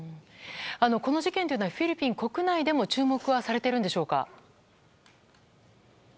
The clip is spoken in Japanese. この事件はフィリピン国内でも注目はされているんでしょうか。